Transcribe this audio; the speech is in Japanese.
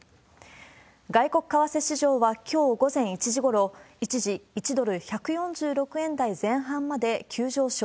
外国為替市場はきょう午前１時ごろ、一時１ドル１４６円台前半まで急上昇。